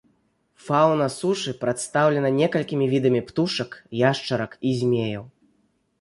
Фаўна сушы прадстаўлена некалькімі відамі птушак, яшчарак і змеяў.